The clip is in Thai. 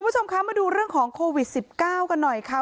คุณผู้ชมคะมาดูเรื่องของโควิด๑๙กันหน่อยค่ะ